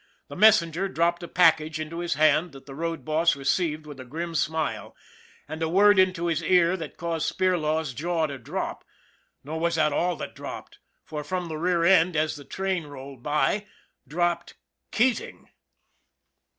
The messenger dropped a package into his hand that the road boss received with a grim smile, and a word into his ear that caused Spirlaw's jaw to drop nor was that all that dropped, for, from the rear end, as the train rolled by dropped Keating.